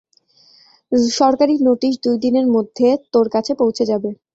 সরকারী নোটিশ দুই দিনের মধ্যে তোর কাছে পৌছে যাবে।